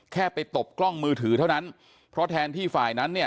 แค่ไปตบกล้องมือถือเท่านั้นเพราะแทนที่ฝ่ายนั้นเนี่ย